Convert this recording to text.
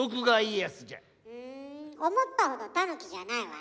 ふん思ったほどたぬきじゃないわね。